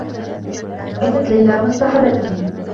أتت ليلى و اصطحبتني.